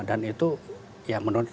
dan itu ya menurut kami